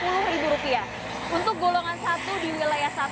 untuk golongan satu di wilayah satu